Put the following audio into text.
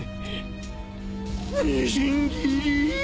みじん切り。